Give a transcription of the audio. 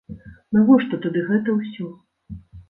Навошта тады гэта ўсё?